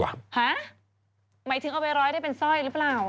หมายถึงเอาไปร้อยได้เป็นสร้อยหรือเปล่า